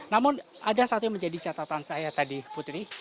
namun ada satu yang menjadi catatan saya tadi putri